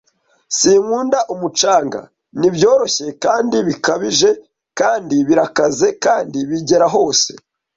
Sinkunda umucanga. Nibyoroshye kandi bikabije kandi birakaze kandi bigera hose.